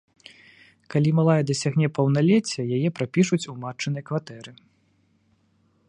Калі малая дасягне паўналецця, яе прапішуць у матчынай кватэры.